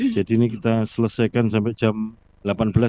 jadi ini kita selesaikan sampai jam delapan belas ya